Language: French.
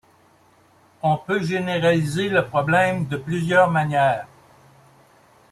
On peut généraliser le problème de plusieurs manières.